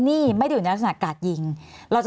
มีความรู้สึกว่ามีความรู้สึกว่า